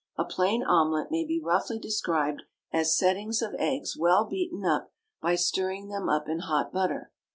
A plain omelet may be roughly described as settings of eggs well beaten up by stirring them up in hot butter.